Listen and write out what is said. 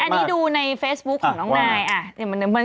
ไม่แกว่